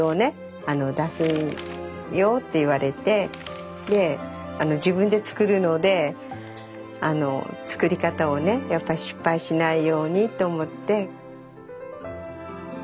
出すんよって言われてで自分で作るので作り方をねやっぱ失敗しないようにと思って。